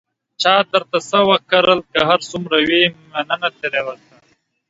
چا درته څه وکړل، که هر څومره وي، مننه ترې وکړه.